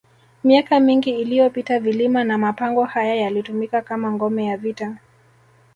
Miaka mingi iliyopita vilima na mapango haya yalitumika kama ngome ya vita